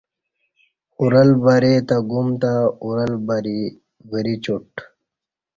اُرل بری تہ گُم تں اُرل بری وری چُٹ